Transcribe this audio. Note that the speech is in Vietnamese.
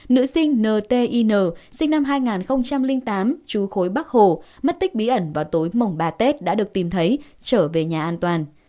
nữ sinh ntin sinh năm hai nghìn tám trú khối bắc hồ mất tích bí ẩn vào tối mùng ba tết đã được tìm thấy trở về nhà an toàn